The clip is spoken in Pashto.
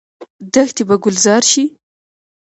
دښتې به ګلزار شي؟